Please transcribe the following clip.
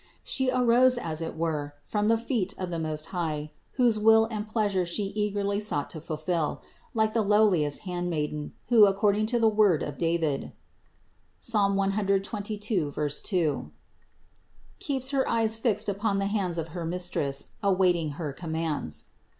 She arose as it were from the feet of the Most High, whose will and pleasure She eagerly sought to fulfill, like the lowliest handmaid, who according to the word of David (Ps. 122, 2) keeps her eyes fixed upon the hands of her Mistress, awaiting her commands.